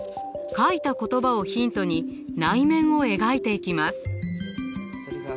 書いた言葉をヒントに内面を描いていきます。